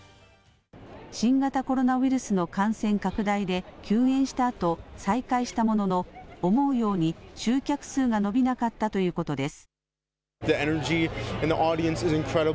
新型コロナウイルスの感染拡大で、休演したあと、再開したものの、思うように集客数が伸びなかったということです。